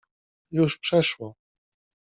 Już przeszło.